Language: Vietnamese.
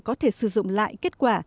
có thể sử dụng lại kết quả